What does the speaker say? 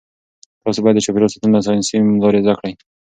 تاسي باید د چاپیریال ساتنې ساینسي لارې زده کړئ.